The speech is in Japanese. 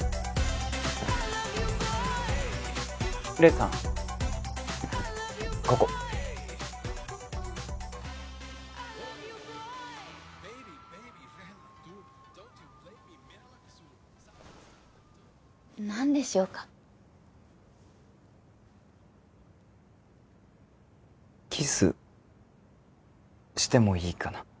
黎さんここ何でしょうかキスしてもいいかな？